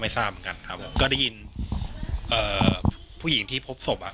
ทราบเหมือนกันครับผมก็ได้ยินเอ่อผู้หญิงที่พบศพอ่ะ